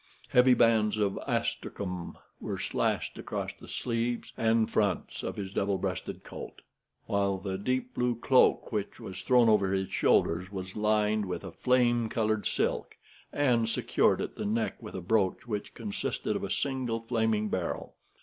Heavy bands of astrakhan were slashed across the sleeves and front of his double breasted coat, while the deep blue cloak which was thrown over his shoulders was lined with flame colored silk, and secured at the neck with a brooch which consisted of a single flaming beryl.